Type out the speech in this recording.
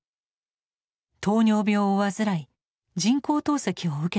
糖尿病を患い人工透析を受けていました。